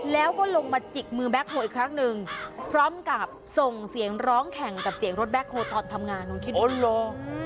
แล้วก็ลงมาจิกมือแบคโฮอีกครั้งนึงพร้อมกับส่งเสียงร้องแข่งกับเสียงบั๊คโฮทธองานโดยที่มุ่นเคี่ยว